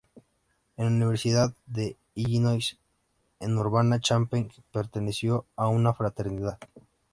En la Universidad de Illinois en Urbana-Champaign perteneció a una fraternidad.